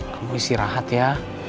kamu istirahat ya